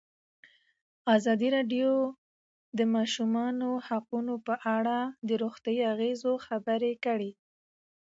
ازادي راډیو د د ماشومانو حقونه په اړه د روغتیایي اغېزو خبره کړې.